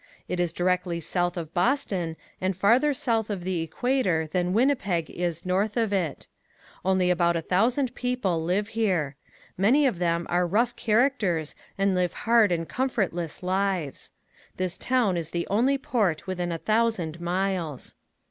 It is directly south of Boston and farther south of the equator than Winnipeg is north of it. Only about a thousand people live here. Many of them are rough characters and live hard and comfortless lives. This town is the only port within a thousand miles.